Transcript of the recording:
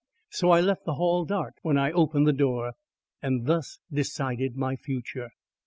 So I left the hall dark when I opened the door. And thus decided my future.